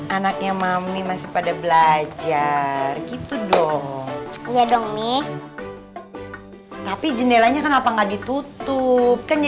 anaknya mami masih pada belajar gitu dong ya dong nih tapi jendelanya kenapa nggak ditutup kan